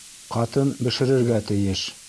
Ҡатын бешерергә тейеш.